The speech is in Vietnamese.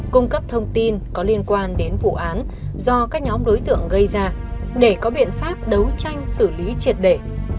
cung cấp thông tin có liên quan đến vụ án do các nhóm đối tượng gây ra để có biện pháp đấu tranh xử lý triệt để